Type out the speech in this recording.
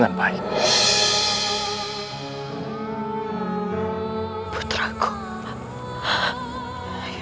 anak bertopeng itu